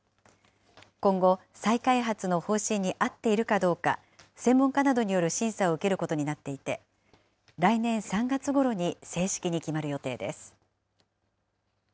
今後、再開発の方針に合っているかどうか、専門家などによる審査を受けることになっていて、来年３月ごろに正式に決まる予定です。